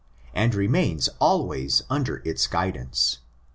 17), and remains always under its guidance.